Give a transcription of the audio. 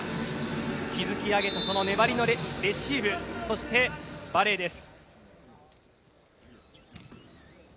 築き上げたこの粘りのレシーブそして、バレーです。